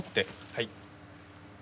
はい。